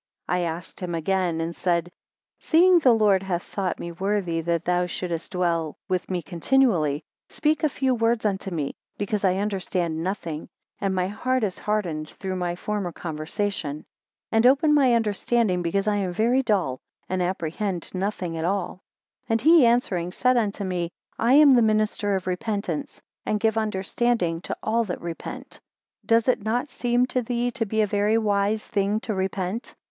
13 I asked him again, and said, Seeing the Lord hath thought me worthy that thou shouldest dwell with me continually, speak a few words unto me, because I understand nothing, and my heart is hardened through my former conversation; and open my understanding because I am very dull, and apprehend nothing at all. 14 And he answering said unto me, I am the minister of repentance, and give understanding to all that repent. Does it not seem to thee to be a very wise thing to repent?